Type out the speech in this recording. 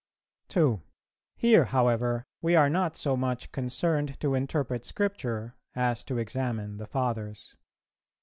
2. Here, however, we are not so much concerned to interpret Scripture as to examine the Fathers.